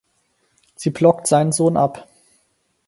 Sie blockt seinen Sohn ab.